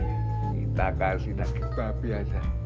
kita kasih daging babi aja